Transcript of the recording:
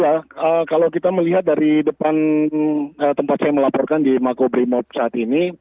ya kalau kita melihat dari depan tempat saya melaporkan di makobrimob saat ini